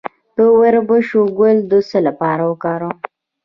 د وربشو ګل د څه لپاره وکاروم؟